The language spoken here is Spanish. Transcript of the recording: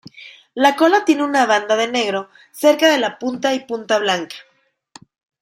La cola tiene una banda de negro cerca de la punta y punta blanca.